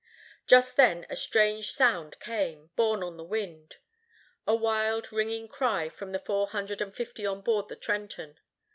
Just then a strange sound came, borne on the wind; a wild ringing cry from the four hundred and fifty on board the Trenton.